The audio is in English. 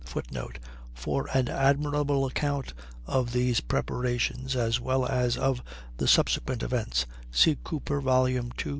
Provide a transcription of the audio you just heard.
[Footnote: For an admirable account of these preparations, as well as of the subsequent events, see Cooper, ii, 242.